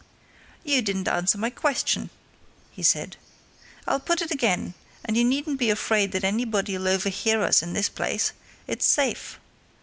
"You didn't answer my question," he said. "I'll put it again, and you needn't be afraid that anybody'll overhear us in this place, it's safe!